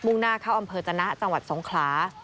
่งหน้าเข้าอำเภอจนะจังหวัดสงขลา